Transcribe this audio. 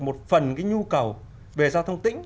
một phần cái nhu cầu về giao thông tĩnh